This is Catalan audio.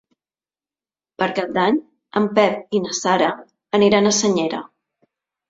Per Cap d'Any en Pep i na Sara aniran a Senyera.